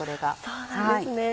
そうなんですね。